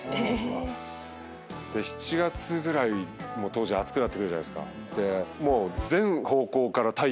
７月ぐらい当時暑くなってくるじゃないですか。